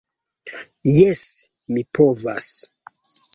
Jes, mi povas.